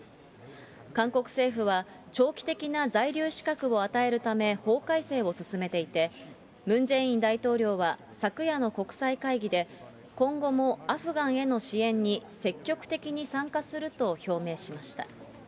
韓国政府は、長期的な在留資格を与えるため法改正を進めていて、ムン・ジェイン大統領は、昨夜の国際会議で今後もアフガンへの支援に積極的に参加すると表明しました。